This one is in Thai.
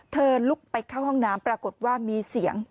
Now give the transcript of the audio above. ลุกไปเข้าห้องน้ำปรากฏว่ามีเสียง